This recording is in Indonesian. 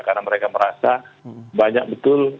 karena mereka merasa banyak betul